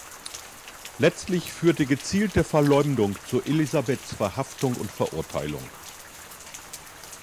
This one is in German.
Letztlich führte gezielte Verleumdung zu Elisabeths Verhaftung und Verurteilung.